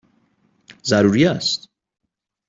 ضروری است!